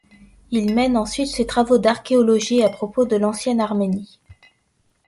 Il mène ensuite ses travaux d'archéologie à propos de l'ancienne Arménie.